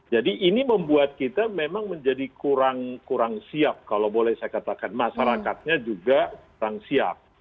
jadi ini membuat kita memang menjadi kurang siap kalau boleh saya katakan masyarakatnya juga kurang siap